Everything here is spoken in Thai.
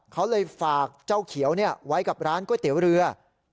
เขาเลยฝากเจ้าเขียวไว้กับร้านก๋วยเตี๋ยวเรือ